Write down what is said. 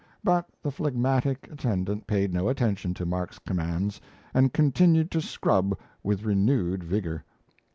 But the phlegmatic attendant paid no attention to Mark's commands and continued to scrub with renewed vigour.